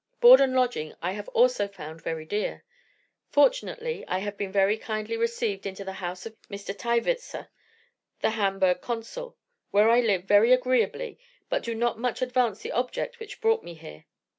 Board and lodging I have also found very dear. Fortunately, I have been very kindly received into the house of Mr. Thaewitzer, the Hamburgh consul, where I live, very agreeably, but do not much advance the object which brought me here.